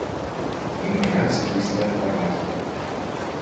І мая асабістая параза.